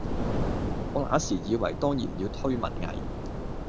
我那時以爲當然要推文藝，